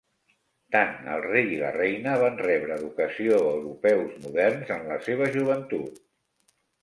Tant el rei i la reina van rebre educació europeus moderns en la seva joventut.